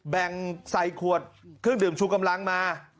แบ่งใส่ขวดเครื่องดื่มชูกำลังมา